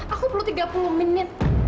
aku perlu tiga puluh menit